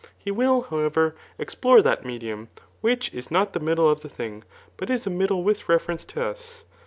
H» will, however, explore that medium, which is not th^ middle of the thing, but is a middle with reference to usi.